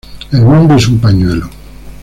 El mundo es un pañuelo